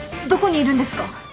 どこにいるんですか？